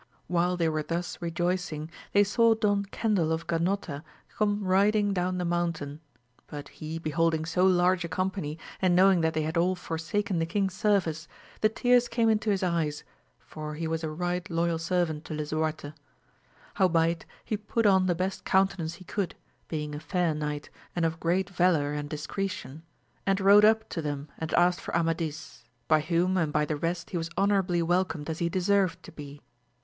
While they were thus rejoicing they saw Don Cendil of Ganota come riding down the mountain, but he beholding so large a company and knowing that they had all forsaken the king's service, the tears came into his eyes, for he was a right loyal servant to Lisu arte. Howbeit he put on the best countenance he could, being a fair knight, and of great valour and discretion, and rode up to them and asked for Amadis, by whom and by the rest he was honourably welcomed as he deserved to be.